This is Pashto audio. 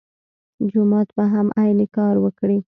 جومات به هم عین کار وکړي.